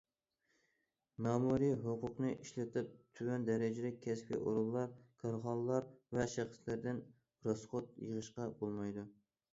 مەمۇرىي ھوقۇقنى ئىشلىتىپ تۆۋەن دەرىجىلىك كەسپىي ئورۇنلار، كارخانىلار ۋە شەخسلەردىن راسخوت يىغىشقا بولمايدۇ.